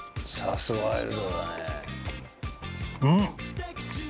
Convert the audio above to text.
うん！